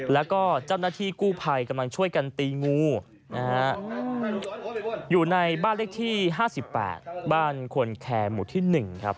แล้วก็เจ้าหน้าที่กู้ภัยกำลังช่วยกันตีงูนะฮะอยู่ในบ้านเลขที่๕๘บ้านควนแคร์หมู่ที่๑ครับ